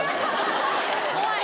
怖い！